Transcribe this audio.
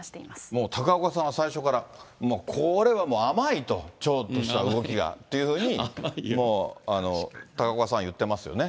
もう高岡さんは最初から、もうこれはもう、甘いと、町として、動きがというふうにもう高岡さんは言ってますよね。